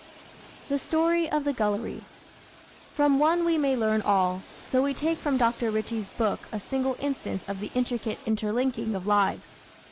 The Story of the Gullery From one we may learn all, so we take from Dr. Ritchie's book a single instance of the intricate interlinking of lives.